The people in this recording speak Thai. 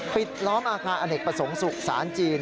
ปิดล้อมอาภาอเนกประสงสุขสานจีน